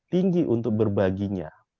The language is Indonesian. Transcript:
tinggi untuk berbaginya